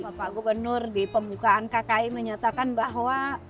bapak gubernur di pembukaan kki menyatakan bahwa